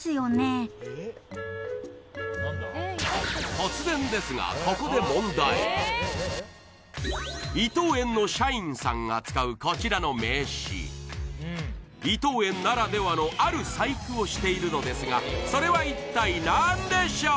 突然ですがここで問題伊藤園の社員さんが使うこちらの名刺伊藤園ならではのある細工をしているのですがそれは一体何でしょう？